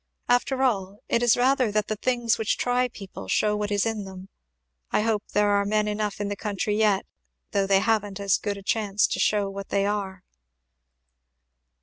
After all, it is rather that the things which try people shew what is in them; I hope there are men enough in the country yet, though they haven't as good a chance to shew what they are."